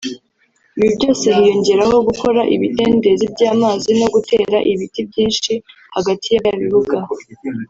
Ibi byose hiyongeraho gukora ibidendezi by’amazi no gutera ibiti byinshi hagati ya bya bibuga